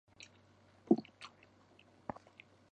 僧侣鞋是商务场所正式度第二高的正装皮鞋。